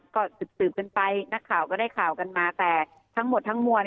ก็สืบกันไปนักข่าวก็ได้ข่าวกันมาแต่ทั้งหมดทั้งมวล